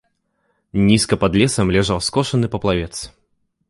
Нізка пад лесам ляжаў скошаны паплавец.